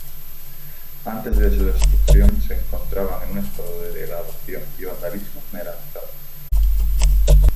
Antes de su destrucción, se encontraban en un estado de degradación y vandalismo generalizado.